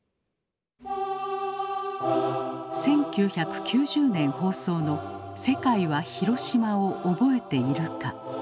１９９０年放送の「世界はヒロシマを覚えているか」。